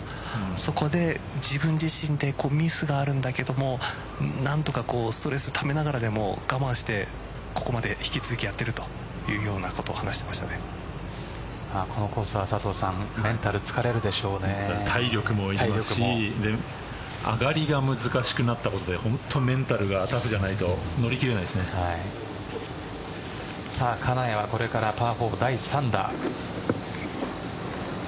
そこで自分自身でミスがあるんだけども何とかストレスをためながらでも我慢してここまで引き続きやっているというようなことをこのコースは体力もいりますし上がりが難しくなったので本当にメンタルがタフじゃないと乗り切れないですね。金谷はこれからパー４、第３打。